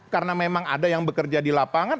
karena memang ada yang bekerja di lapangan